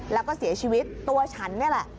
แล้วก็เสียชีวิตตัวฉันนี่แหละ